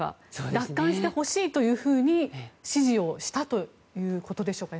奪還してほしいというふうに支持をしたということでしょうか。